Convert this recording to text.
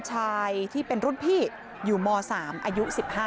นากเรียนชายที่เป็นรุ่นพี่อยู่หมอ๓อายุ๑๕